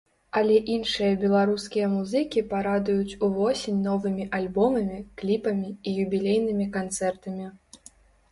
Але іншыя беларускія музыкі парадуюць увосень новымі альбомамі, кліпамі і юбілейнымі канцэртамі.